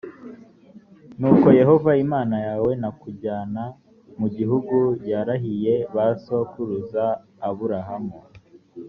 nuko yehova imana yawe nakujyana mu gihugu yarahiye ba sokuruza aburahamu